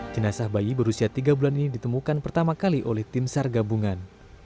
jenazah bayi berusia tiga bulan ini ditemukan pertama kali oleh tim sar gabungan